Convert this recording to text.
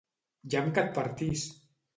Llamp que et partís!